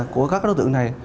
của các đối tượng này